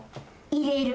入れる。